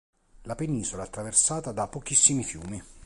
La penisola è attraversata da pochissimi fiumi.